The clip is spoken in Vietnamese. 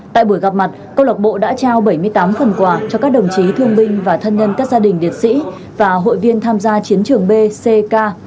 tại buổi gặp mặt câu lạc bộ đã trao bảy mươi tám phần quà cho các đồng chí thương binh và thân nhân các gia đình liệt sĩ và hội viên tham gia chiến trường b ck